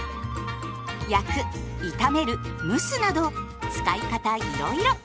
焼く炒める蒸すなど使い方いろいろ。